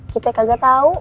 kita kagak tau